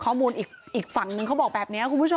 ข้อมูลอีกฝั่งนึงเขาบอกแบบนี้คุณผู้ชม